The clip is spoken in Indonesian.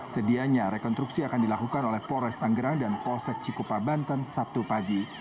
sedianya rekonstruksi akan dilakukan oleh polres tanggerang dan polsek cikupa banten sabtu pagi